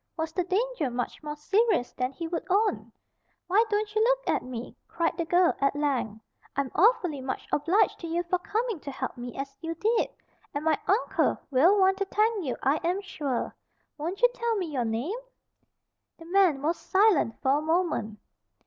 Was the danger much more serious than he would own? "Why don't you look at me?" cried the girl, at length. "I'm awfully much obliged to you for coming to help me as you did. And my uncle will want to thank you I am sure. Won't you tell me your name?" The man was silent for a moment.